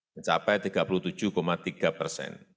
mencapai tiga puluh tujuh tiga persen